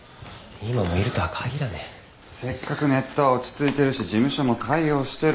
せっかくネットは落ち着いてるし事務所も対応してる。